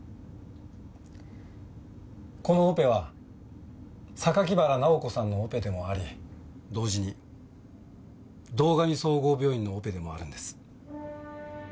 このオペは榊原直子さんのオペでもあり同時に堂上総合病院のオペでもあるんです。